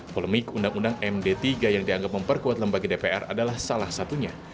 polemik undang undang md tiga yang dianggap memperkuat lembaga dpr adalah salah satunya